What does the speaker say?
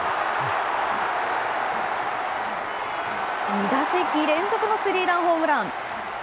２打席連続のスリーランホームラン！